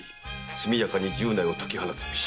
「速やかに十内を解き放つべし。